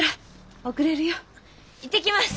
行ってきます！